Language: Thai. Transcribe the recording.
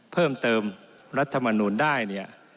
เพิ่มเติมรัฐมนูลได้เนี่ย